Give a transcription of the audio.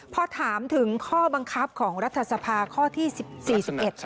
พอถามถึงข้อบังคับของรัฐสภาข้อที่สิบสี่สิบเอ็ด